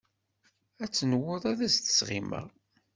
Ad tenwuḍ ad as-d-sɣimeɣ.